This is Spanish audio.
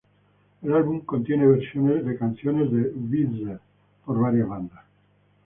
El álbum contiene versiones de canciones de Weezer por varias bandas.